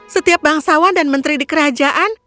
setiap bangsawan dan menteri di kerajaan